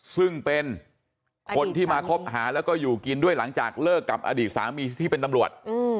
ซึ่งเป็นคนที่มาคบหาแล้วก็อยู่กินด้วยหลังจากเลิกกับอดีตสามีที่เป็นตำรวจ